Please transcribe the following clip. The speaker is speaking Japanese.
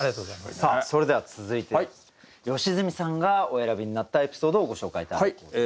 さあそれでは続いて良純さんがお選びになったエピソードをご紹介頂きたいと思います。